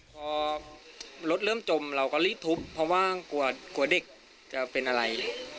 พอรถเริ่มจมเราก็รีบทุบเพราะว่ากลัวเด็กจะเป็นอะไร